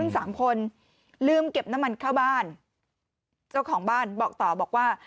สามคนลืมเก็บน้ำมันเข้าบ้านเจ้าของบ้านบอกต่อบอกว่า